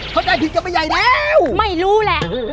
เข้าใจผิดจะไปใหญ่แล้วไม่รู้แหละ